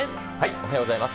おはようございます。